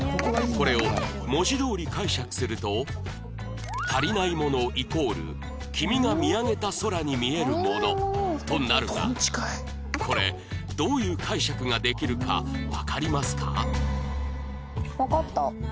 これを文字どおり解釈すると「足りない物」イコール「君が見上げた空に見えるもの」となるがこれどういう解釈ができるかわかりますか？